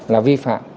là vi phạm